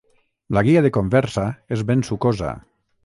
La guia de conversa és ben sucosa.